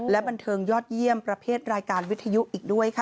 และบันเทิงยอดเยี่ยมประเภทรายการวิทยุอีกด้วยค่ะ